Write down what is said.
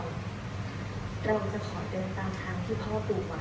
เราจะขอเดินตามทางที่พ่อปู่ไว้